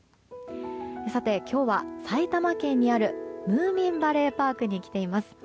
今日は、埼玉県にあるムーミンバレーパークに来ています。